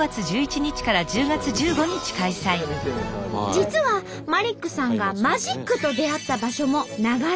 実はマリックさんがマジックと出会った場所も長良川。